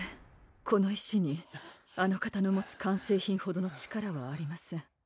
この石にあの方の持つ完成品ほどの力はありません